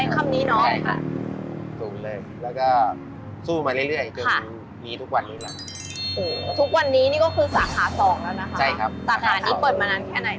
เข้าสู่ปีที่๔ของการขายซื้อบ้าน